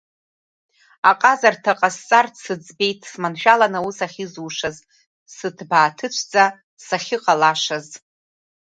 Аҟазарҭа ҟасҵарц сыӡбеит, сманшәаланы аус ахьызушаз, сыҭбааҭыцәӡа сахьыҟалашаз.